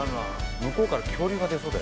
向こうから恐竜が出そうだよ。